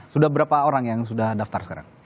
sudah berapa orang yang sudah daftar sekarang